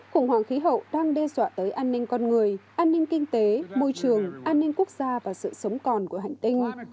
khủng hoảng khí hậu đang đe dọa tới an ninh con người an ninh kinh tế môi trường an ninh quốc gia và sự sống còn của hành tinh